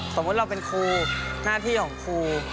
สมมุติเราเป็นครูหน้าที่ของครู